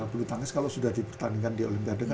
pulau tangkis kalau sudah di pertandingan di olimpiade